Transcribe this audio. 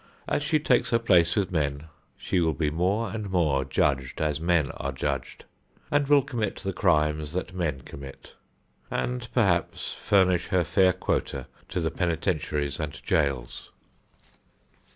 As she takes her place with men she will be more and more judged as men are judged, and will commit the crimes that men commit, and perhaps furnish her fair quota to the penitentiaries and jails.